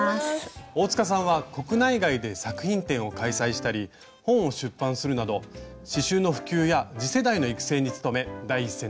大さんは国内外で作品展を開催したり本を出版するなど刺しゅうの普及や次世代の育成に努め第一線で活躍されています。